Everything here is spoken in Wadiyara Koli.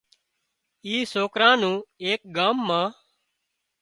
اِي سوڪرا نُون ايڪ ڳام مان